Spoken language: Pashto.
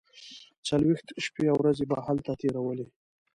څلوېښت شپې او ورځې به یې هلته تیرولې.